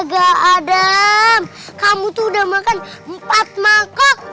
gak adam kamu tuh udah makan empat mangkok